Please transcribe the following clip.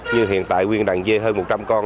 như hiện tại quyền đàn dê hơn một trăm linh con